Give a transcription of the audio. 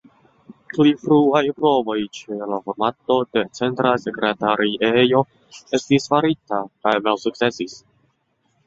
Pli fruaj provoj ĉe la formado de centra sekretariejo estis faritaj kaj malsukcesis.